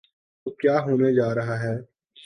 تو کیا ہونے جا رہا ہے؟